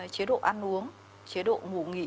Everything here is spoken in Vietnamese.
chế độ ăn uống chế độ ngủ nghỉ